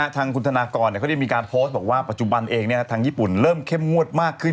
ทางคุณธนากรเขาได้มีการโพสต์บอกว่าปัจจุบันเองทางญี่ปุ่นเริ่มเข้มงวดมากขึ้น